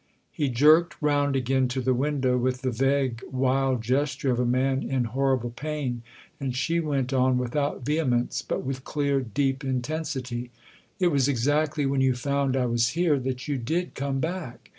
" He jerked round again to the window with the vague, wild gesture of a man in horrible pain, and she went on without vehemence, but with clear, deep inten sity :" It was exactly when you found I was here that you did come back.